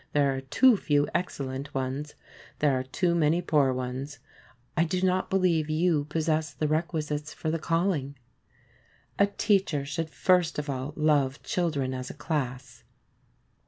There are too few excellent ones. There are too many poor ones. I do not believe you possess the requisites for the calling. A teacher should first of all love children as a class.